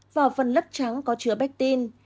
vỏ phần lớp trắng có chứa béc tin